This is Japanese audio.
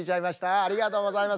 ありがとうございます。